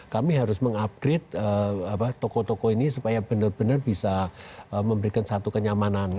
kami harus mengupgrade toko toko ini supaya benar benar bisa memberikan satu kenyamanan